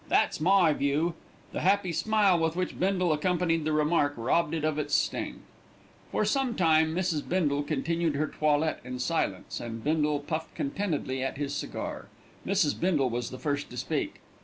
That's my view." The happy smile with which Bindle accompanied the remark robbed it of its sting. For some time Mrs. Bindle continued her toilette in silence, and Bindle puffed contentedly at his cigar. Mrs. Bindle was the first to speak.